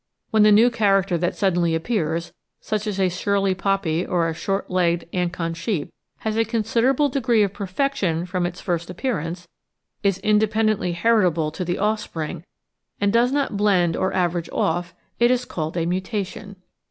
When the new character that sud denly appears, such as a Shirley Poppy or a short legged Ancon Sheep, has a considerable degree of perfection from its first appearance, is independently heritable to the offspring, and does not blend or average off, it is called a Mutation.